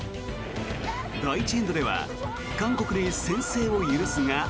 第１エンドでは韓国に先制を許すが。